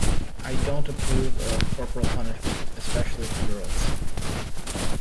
I don't approve of corporal punishment, especially for girls.